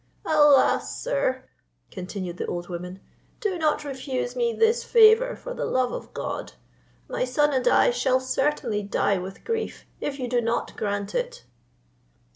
"Alas! sir," continued the old woman, "do not refuse me this favour for the love of God. My son and I shall certainly die with grief, if you do not grant it."